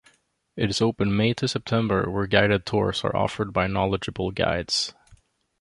It is open May to September where guided tours are offered by knowledgeable guides.